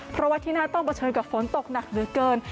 เพราะว่าที่นั่นต้องเผชิญกับฝนตกหนักเหลือเกิน